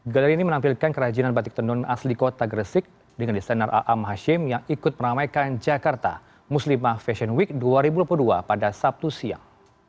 galeri ini menampilkan kerajinan batik tenun asli kota gresik dengan desainer aam hashim yang ikut meramaikan jakarta muslimah fashion week dua ribu dua puluh dua pada sabtu siang